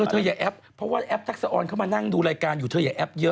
เธออย่าแอปเพราะว่าแอปทักษะออนเข้ามานั่งดูรายการอยู่เธออย่าแอปเยอะ